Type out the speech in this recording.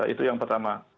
itu yang pertama